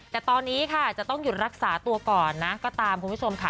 แต่ตอนนี้ค่ะจะต้องหยุดรักษาตัวก่อนนะก็ตามคุณผู้ชมค่ะ